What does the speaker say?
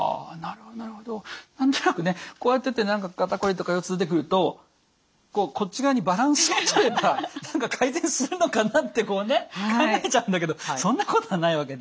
何となくねこうやってて肩こりとか腰痛出てくるとこっち側にバランスをとれば改善するのかなってこうね考えちゃうんだけどそんなことはないわけで。